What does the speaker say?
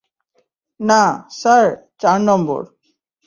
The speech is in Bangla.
না, স্যার, চার নম্বর।